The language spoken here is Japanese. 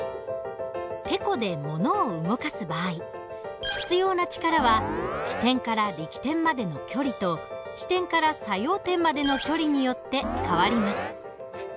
てこで物を動かす場合必要な力は支点から力点までの距離と支点から作用点までの距離によって変わります。